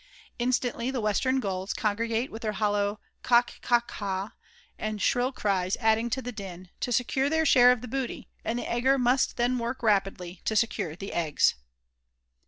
Instantly the Western Gulls congregate with their hollow kock kock ka and shrill cries adding to the din, to secure their share of the booty, and the egger must then work rapidly to secure the eggs."